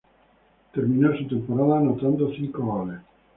Terminó su temporada anotando cinco goles.